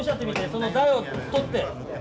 その台を取って。